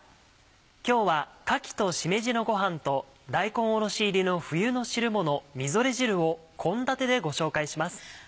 今日はかきとしめじのごはんと大根おろし入りの冬の汁もの「みぞれ汁」を献立でご紹介します。